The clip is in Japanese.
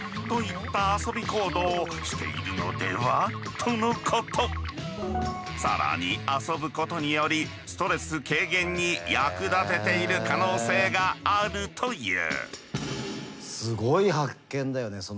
先生いわくマルハナバチは更に遊ぶことによりストレス軽減に役立てている可能性があるという。